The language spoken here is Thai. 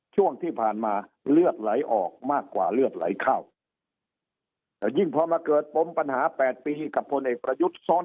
ช่วงที่ผ่านมาเลือดไหลออกมากว่าเลือดไหลเข้าแต่ยิ่งพอมาเกิดปมปัญหา๘ปีกับพลเอกประยุทธ์ซ้อน